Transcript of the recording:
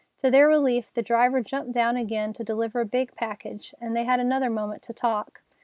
To their relief, the driver jumped down again to deliver a big package, and they had another moment to talk.